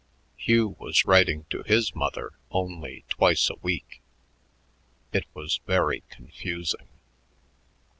Hugh was writing to his mother only twice a week. It was very confusing....